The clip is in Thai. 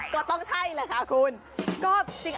ก็ต้องใช่แหละค่ะคุณ